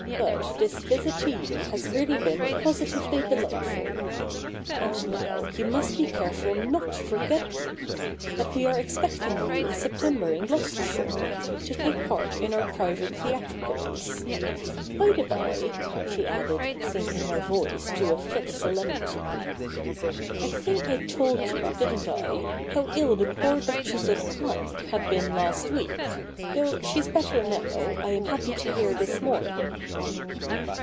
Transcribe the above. But this visit to you has really been positively delightful. And now, you must be careful not to forget me — that we are expecting you in September in Gloucestershire, to take part in our private theatricals. By the by,' she added, sinking her CH. ii] THE NEW REPUBLIC 255 voice to a fit solemnity, ' I think I told you, didn't I, how ill the poor Duchess of had been last week, though she's better now, I am happy to hear this morn ing.